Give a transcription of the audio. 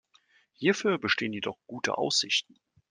Hierfür bestehen jedoch gute Aussichten.